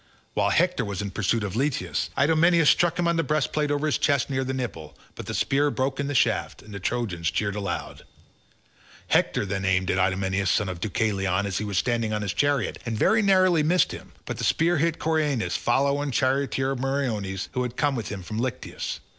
While Hector was in pursuit of Leitus, Idomeneus struck him on the breastplate over his chest near the nipple; but the spear broke in the shaft, and the Trojans cheered aloud. Hector then aimed at Idomeneus son of Deucalion as he was standing on his chariot, and very narrowly missed him, but the spear hit Coiranus, a follower and charioteer of Meriones who had come with him from Lyctus.